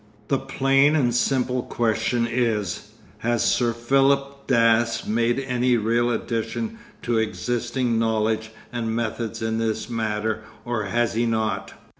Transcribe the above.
The plain and simple question is, has Sir Philip Dass made any real addition to existing knowledge and methods in this matter or has he not?